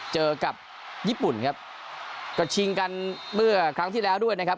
เจอกับญี่ปุ่นครับก็ชิงกันเมื่อครั้งที่แล้วด้วยนะครับ